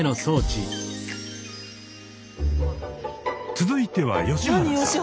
続いては吉原さん。